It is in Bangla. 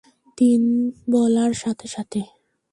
তিন বলার সাথে সাথে।